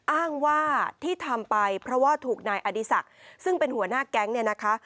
อ้างว่าที่ทำไปเพราะว่าถูกนายอดีศักดิ์ซึ่งเป็นหัวหน้าแก๊งเนี่ยนะคะ